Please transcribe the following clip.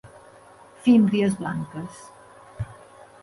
Fímbries blanques.